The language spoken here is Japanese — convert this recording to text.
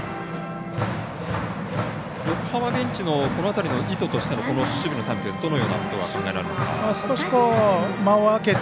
横浜ベンチのこの辺りの意図としての守備というのはどのようなことが少し間を空けて